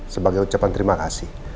sebagai ucapan terima kasih